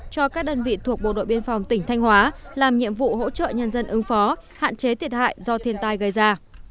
cho các đơn vị thuộc bộ đội biên phòng tỉnh thanh hóa làm nhiệm vụ hỗ trợ nhân dân ứng phó hạn chế thiệt hại do thiên tai gây ra